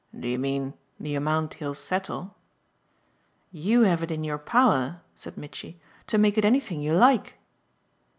"Do you mean the amount he'll settle?" "You have it in your power," said Mitchy, "to make it anything you like."